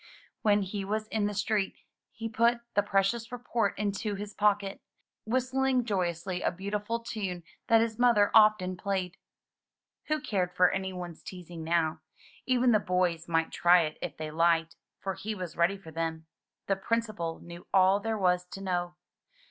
When he was in the street he put the precious report into his pocket, whistling joyously a beautiful tune that his mother often played. Who cared for any one's teasing now? Even the boys might try it if they liked, for he was ready for them. The Princi pal knew all there was to know.